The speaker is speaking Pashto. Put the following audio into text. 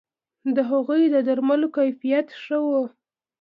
د هغوی د درملو کیفیت ښه وو